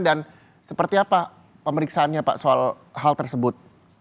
dan seperti apa pemeriksaannya pak soal hal tersebut